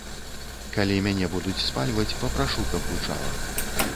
Калі мяне будуць спальваць, папрашу, каб гучала.